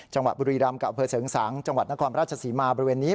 จังหวะบุรีรัมป์กับอำเภอเสียงสางจังหวัดนักความราชสีมาบริเวณนี้